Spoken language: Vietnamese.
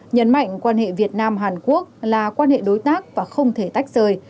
nhấn mạnh quan hệ việt nam hàn quốc là quan hệ đối tác và không thể tách rời